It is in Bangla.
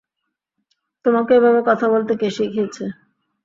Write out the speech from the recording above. তোমাকে এভাবে কথা বলতে কে শিখিয়েছে?